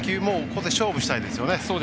ここで勝負したいですよね。